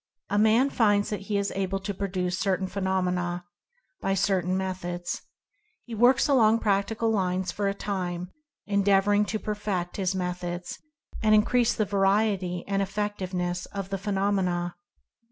A man finds that he is able to produce certain phe nomena, by certain methods. He works along prac tical lines for a time, endeavoring to perfect his methods and increase the variety and effectiveness of the phenomena.